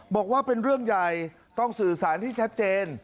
บอกว่าเป็นเรื่องใหญ่ต้องสื่อสารให้ชัดเจน